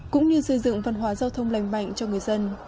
cũng như xây dựng văn hóa giao thông lành mạnh cho người dân